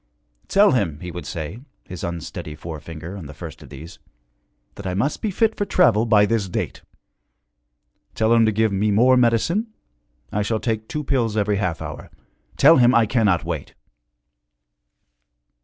'Tell him,' he would say, his unsteady forefinger on the first of these, 'that I must be fit for travel by this date. Tell him to give me more medicine I shall take two pills every half hour. Tell him I cannot wait.'